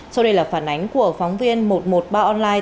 sau đây là phản ánh của phóng viên một trăm một mươi ba online